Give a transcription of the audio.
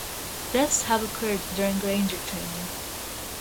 Deaths have occurred during Ranger Training.